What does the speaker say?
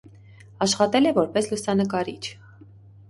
Աշխատել է որպես լուսանկարիչ։